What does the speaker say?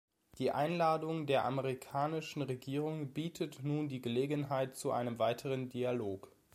Die Einladung der amerikanischen Regierung bietet nun die Gelegenheit zu einem weiteren Dialog.